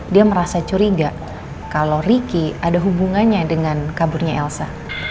dia merasa curiga kalau ricky ada hubungannya dengan kaburnya elsa